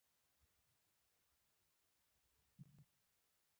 د دغو تمرينونو پر مهال د ايمان په څپرکي کې شوې لارښوونې تعقيب کړئ.